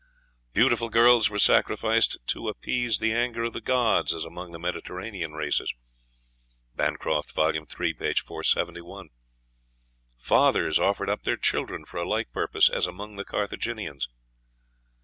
Beautiful girls were sacrificed to appease the anger of the gods, as among the Mediterranean races. (Bancroft, vol. iii., p. 471.) Fathers offered up their children for a like purpose, as among the Carthaginians.